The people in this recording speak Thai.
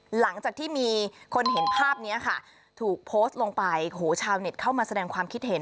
หลังจากที่มีคนเห็นภาพนี้ค่ะถูกโพสต์ลงไปโหชาวเน็ตเข้ามาแสดงความคิดเห็น